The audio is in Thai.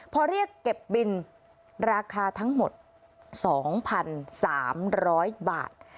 พอเรียกเก็บบินราคาทั้งหมด๒๓๐๐บาท